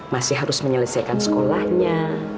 masih harus menyelesaikan sekolahnya